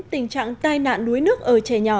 tình trạng tai nạn đuối nước ở trẻ nhỏ